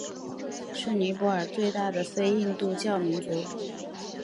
是尼泊尔的最大非印度教民族。